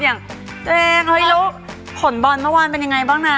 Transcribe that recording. อย่างตัวเองเฮ้ยลูกผลบอลเมื่อวานเป็นยังไงบ้างนะ